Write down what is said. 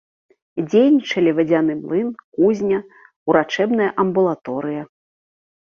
Дзейнічалі вадзяны млын, кузня, урачэбная амбулаторыя.